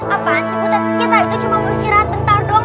apaan sih buta kita itu cuma peristirahat bentar doang